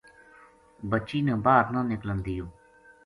بچی نا باہر نہ نِکلن دیوں